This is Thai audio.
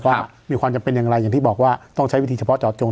ว่ามีความจำเป็นอย่างไรอย่างที่บอกว่าต้องใช้วิธีเฉพาะเจาะจง